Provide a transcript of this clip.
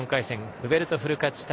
フベルト・フルカッチ対